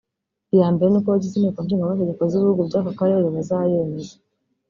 Iya mbere ni uko abagize inteko nshingamateko z’ibihugu by’aka karere bazayemeza